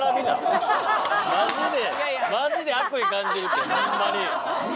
マジでマジで悪意感じるってホンマに！